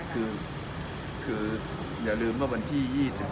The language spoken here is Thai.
คืออย่าลืมว่าวันที่๒๑